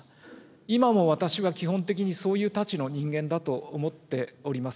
今も私は基本的に、そういうたちの人間だと思っております。